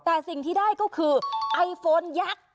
แต่สิ่งที่ได้ก็คือไอโฟนยักษ์